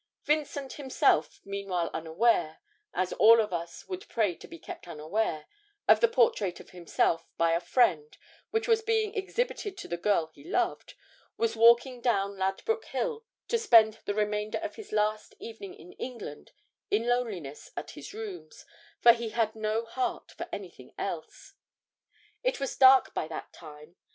Vincent himself, meanwhile, unaware as all of us would pray to be kept unaware of the portrait of himself, by a friend, which was being exhibited to the girl he loved, was walking down Ladbroke Hill to spend the remainder of his last evening in England in loneliness at his rooms; for he had no heart for anything else. It was dark by that time.